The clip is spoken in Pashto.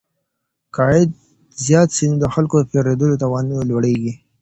که عايد زيات سي نو د خلګو د پيرودلو توان لوړيږي.